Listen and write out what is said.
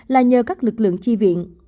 là nhờ các lực lượng chi viện